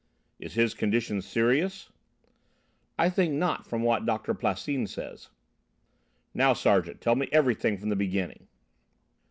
"Is his condition serious?" "I think not from what Doctor Plassin says." "Now, Sergeant, tell me everything from the beginning."